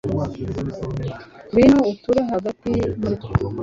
ngwino uture hagati muri twe